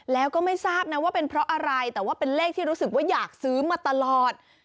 แล้วก็ไม่ทราบนะว่าเป็นเพราะอะไรแต่ว่าเป็นเลขที่รู้สึกว่าอยากซื้อมาตลอด